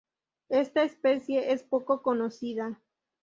Esta especie es poco conocida.